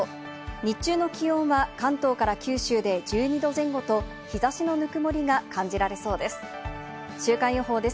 日中の気温は関東から九州で１２度前後と、日ざしのぬくもりが感じられそうです。